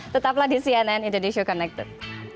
tetaplah di cnn indonesia connected